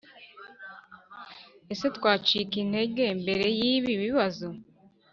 ese, twacika intege mbere y'ibi bibazo ?